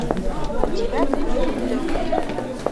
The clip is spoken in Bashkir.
Тимәк, бөттө!